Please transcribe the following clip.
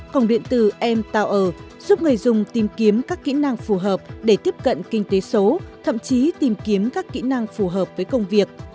cổng điện tử m to giúp người dùng tìm kiếm các kỹ năng phù hợp để tiếp cận kinh tế số thậm chí tìm kiếm các kỹ năng phù hợp với công việc